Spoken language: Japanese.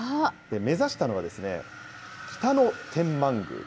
目指したのは、北野天満宮。